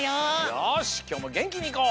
よしきょうもげんきにいこう！